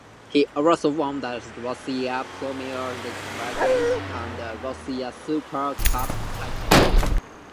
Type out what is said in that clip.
He also won a Russian Premier League and Russian Super Cup title.